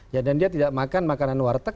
ya dan dia tidak makan makanan warteg